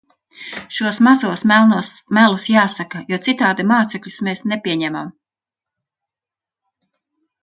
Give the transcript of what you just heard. Šos mazos melus jāsaka, jo citādi mācekļus mēs nepieņemam.